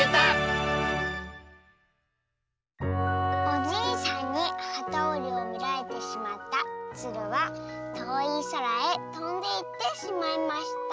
「おじいさんにはたおりをみられてしまったつるはとおいそらへとんでいってしまいました」。